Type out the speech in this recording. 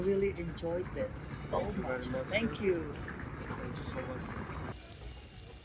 terima kasih banyak